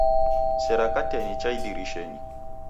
Sera kateni cha idirishenyi